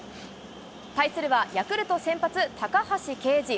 対するは、ヤクルト先発、高橋奎二。